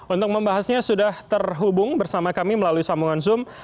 untuk membahasnya sudah terhubung bersama kami melalui sambungan zoom